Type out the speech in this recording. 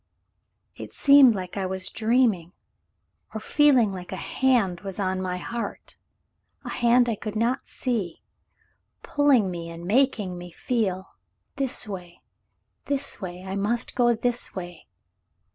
'*It seemed like I was dreaming, or feeling like a hand was on my heart — a hand I could not see, pulling me and making me feel, 'This way, this way, I must go this way.'